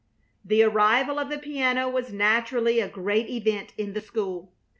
The arrival of the piano was naturally a great event in the school.